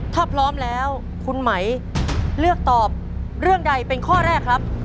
ถ้าพร้อมแล้วคุณไหมเลือกตอบเรื่องใดเป็นข้อแรกครับ